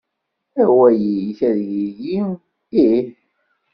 Awal-ik ad yili: Ih.